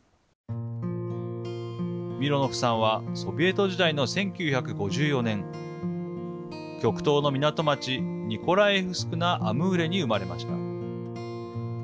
ミロノフさんはソビエト時代の１９５４年極東の港町ニコラエフスク・ナ・アムーレに生まれました。